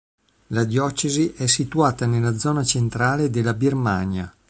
La diocesi è situata nella zona centrale della Birmania.